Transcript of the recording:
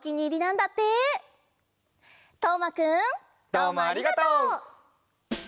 どうもありがとう！